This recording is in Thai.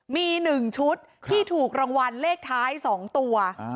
มี๑ชุดที่ถูกรางวัลเลขท้าย๒ตัว